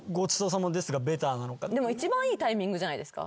一番いいタイミングじゃないですか？